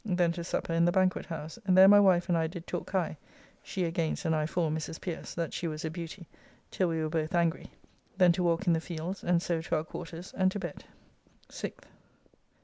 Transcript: Then to supper in the banquet house, and there my wife and I did talk high, she against and I for Mrs. Pierce (that she was a beauty), till we were both angry. Then to walk in the fields, and so to our quarters, and to bed. 6th.